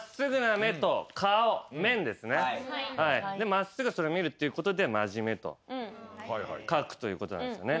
真っすぐそれを見るってことで「真面目」と書くということなんですよね。